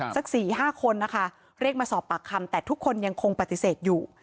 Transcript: สัก๔๕คนนะคะเรียกมาสอบปากคำแต่ทุกคนยังคงปฏิเสธอยู่